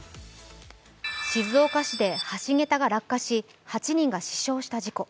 静岡市で橋桁が落下し、８人が死傷した事故。